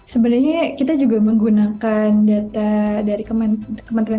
sebenarnya kita juga menggunakan data dari kementerian